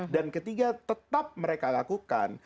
dan ketika tetap mereka lakukan